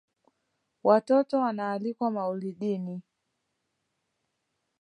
Watoto wanaalikwa maulidini